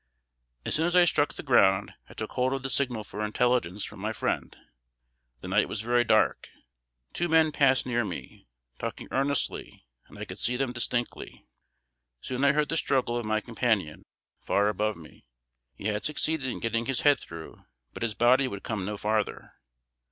As soon as I struck the ground, I took hold of the signal for intelligence from my friend. The night was very dark. Two men passed near me, talking earnestly, and I could see them distinctly. Soon I heard the struggle of my companion, far above me; he had succeeded in getting his head through, but his body would come no farther.